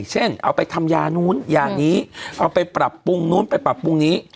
เช่นเอาไปทำยานู้นยานี้เอาไปปรับปรุงนู้นไปปรับปรุงนี้